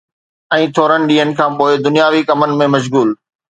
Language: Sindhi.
۽ ٿورن ڏينهن کان پوءِ دنياوي ڪمن ۾ مشغول